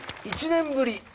１年ぶり。